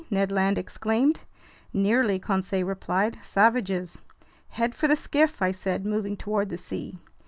Ned Land exclaimed. "Nearly," Conseil replied. "Savages." "Head for the skiff!" I said, moving toward the sea.